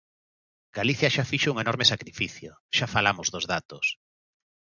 Galicia xa fixo un enorme sacrificio, xa falamos dos datos.